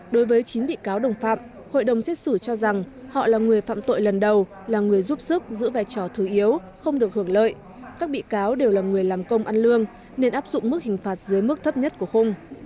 đối với chín bị cáo đồng phạm hội đồng xét xử cho rằng họ là người phạm tội lần đầu là người giúp sức giữ vai trò thứ yếu không được hưởng lợi các bị cáo đều là người làm công ăn lương nên áp dụng mức hình phạt dưới mức thấp nhất của khung